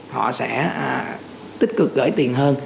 họ sẽ tích cực gửi tiền hơn